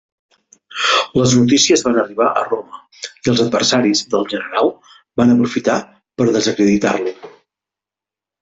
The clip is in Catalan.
Les notícies van arribar a Roma i els adversaris del general van aprofitar per desacreditar-lo.